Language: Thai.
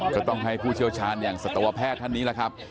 ก็ต้องให้ผู้เชี่ยวชาญอย่างสัตวแพทย์ท่านนี้แหละครับ